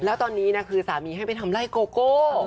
แล้วตอนนี้นะคือสามีให้ไปทำไล่โกโก้